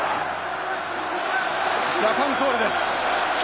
ジャパンコールです。